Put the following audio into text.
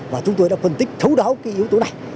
và chúng tôi đã phân tích thấu đáo cái yếu tố này